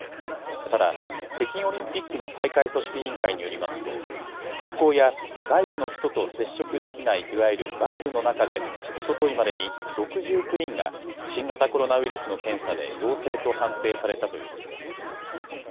ただ、北京オリンピックの大会組織委員会によりますと、空港や外部の人と接触できない、いわゆるバブルの中で、おとといまでに６９人が、新型コロナウイルスの検査で陽性と判定されたということです。